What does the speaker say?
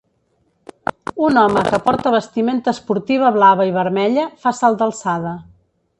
Un home que porta vestimenta esportiva blava i vermella fa salt d'alçada.